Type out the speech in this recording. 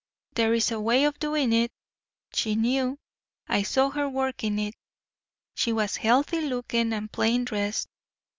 There's a way of doing it. She knew. I saw her working it. She was healthy looking and plain dressed.